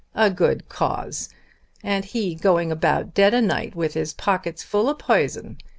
A good cause, and he going about at dead o'night with his pockets full of p'ison!